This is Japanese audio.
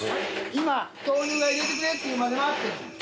今豆乳が入れてくれって言うまで待ってる。